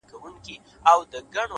پوه انسان د ناپوهۍ له منلو نه شرمیږي’